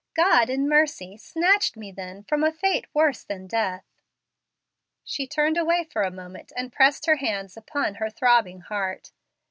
God in mercy snatched me then from a fate worse than death." She turned away for a moment and pressed her hands upon her throbbing heart.